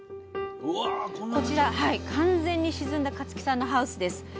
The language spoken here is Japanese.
こちら完全に沈んだ香月さんのハウスです。